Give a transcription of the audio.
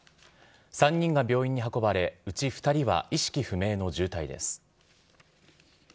３人が病院に運ばれ、うち２人は意識不明の重体です。